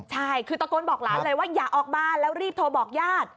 ใช่คือตะโกนบอกหลานเลยว่าอย่าออกมาแล้วรีบโทรบอกญาติ